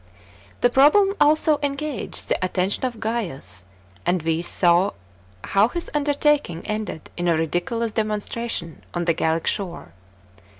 The problem also engaged the attention of Gains, and we saw how his undertaking ended in a ridiculous demonstration on the Gallic shore.